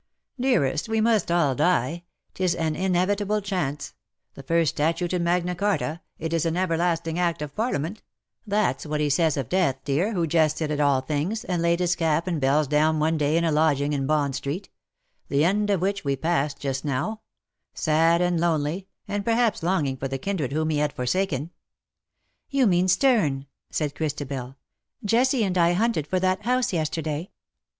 " Dearest, ' we must all die — 'tis an inevitable IX SOCIETY. 157 chance — the first Statute in Magna Charta — it is an everlasting Act of Parliament^ — that^s what he says of death, dear, who jested at all things, and laid his cap and bells down one day in a lodging in Bond Street — the end of which we passed just now — sad and lonely, and perhaps longing for the kindred whom he had forsaken/^ " You mean Sterne,^^ said Christabel. ^' Jessie and I hunted for that house, yesterday.